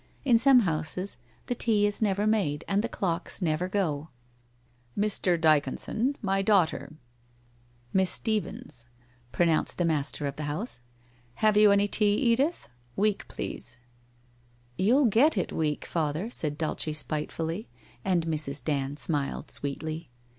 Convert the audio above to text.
In some houses the tea is never made and the clocks never go. ' Mr. Dyconson — my daughter — Miss Stephens/ pro nounced the master of the house. ' Have you any tea, Edith? Weak, please.' WHITE ROSE OF WEARY LEAF 71 ' You'll get it weak, father,' said Dulce spitefully, and Mrs. Dand smiled sweetly.